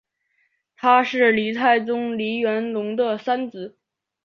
他是黎太宗黎元龙的三子。